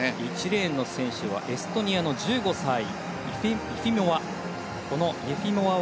１レーンの選手はエストニアの１５歳イェフィモワ。